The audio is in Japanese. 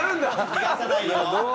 逃がさないよ。